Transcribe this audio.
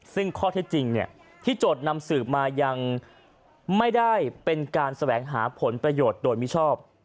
ซึ่งข้อเท็จจริงที่โจทย์นำสืบมายังไม่ได้เป็นการแสวงหาผลประโยชน์โดยมิชอบ